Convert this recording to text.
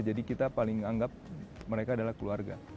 jadi kita paling anggap mereka adalah keluarga